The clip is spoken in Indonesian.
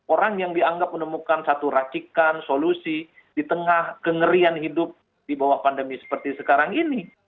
orang yang dianggap menemukan satu racikan solusi di tengah kengerian hidup di bawah pandemi seperti sekarang ini